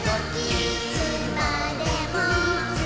いつまでも。